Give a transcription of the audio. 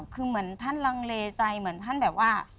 คือเหมือนท่านลังเลใจเหมือนท่านแบบว่า